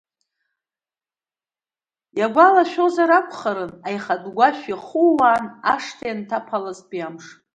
Иагәалашәозар акәхарын, аихатә гәашә иахууааны ашҭа ианҭаԥалазтәи амш.